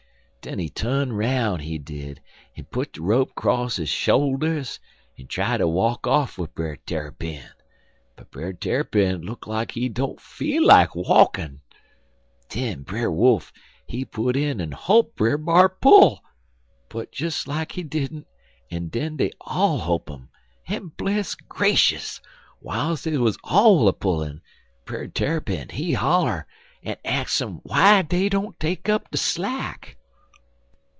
Den he tu'n 'roun', he did, en put de rope cross his shoulders en try ter walk off wid Brer Tarrypin, but Brer Tarrypin look like he don't feel like walkin'. Den Brer Wolf he put in en holp Brer B'ar pull, but des like he didn't, en den dey all holp 'im, en, bless grashus! w'iles dey wuz all a pullin', Brer Tarrypin, he holler, en ax um w'y dey don't take up de slack.